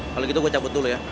kalau gitu gue cabut dulu ya